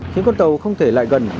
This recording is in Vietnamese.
khiến con tàu không thể lại gần